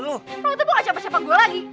lo tuh gak capa capak gue lagi